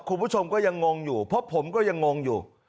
คุณผู้ชมก็ยังงงอยู่เพราะผมก็ยังงงอยู่